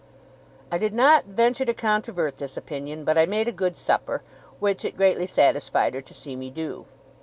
I did not venture to controvert this opinion, but I made a good supper, which it greatly satisfied her to see me do.